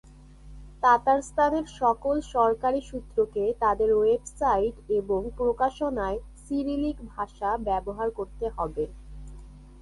তাতারস্তানের সকল সরকারী সূত্রকে তাদের ওয়েবসাইট এবং প্রকাশনায় সিরিলিক ভাষা ব্যবহার করতে হবে।